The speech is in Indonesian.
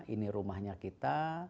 ini rumahnya kita